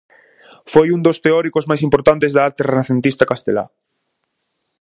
Foi un dos teóricos máis importantes da arte renacentista castelá.